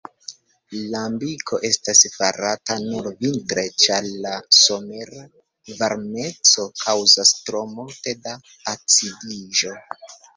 Lambiko estas farata nur vintre, ĉar la somera varmeco kaŭzas tro multe da acidiĝo.